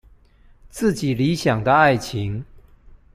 自己理想的愛情